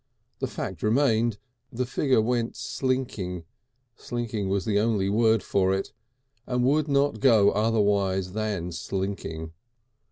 the fact remained, the figure went slinking slinking was the only word for it and would not go otherwise than slinking.